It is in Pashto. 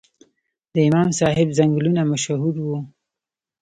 د امام صاحب ځنګلونه مشهور وو